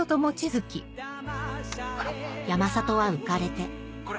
山里は浮かれてこれ。